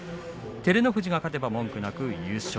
照ノ富士が勝てば文句なく優勝。